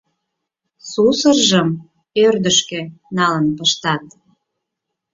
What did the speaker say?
Сусыржым ӧрдыжкӧ налын пыштат.